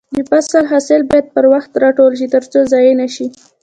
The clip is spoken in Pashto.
د فصل حاصل باید پر وخت راټول شي ترڅو ضايع نشي.